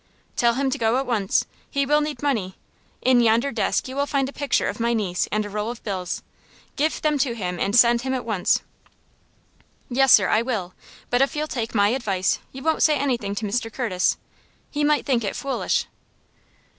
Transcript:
"Tell him to go at once. He will need money. In yonder desk you will find a picture of my niece and a roll of bills. Give them to him and send him at once." "Yes, sir, I will. But if you'll take my advice, you won't say anything to Mr. Curtis. He might think it foolish."